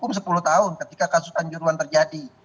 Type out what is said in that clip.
karena kita sudah sepuluh tahun ketika kasus anjuruan terjadi